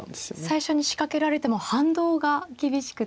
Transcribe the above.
最初に仕掛けられても反動が厳しくて。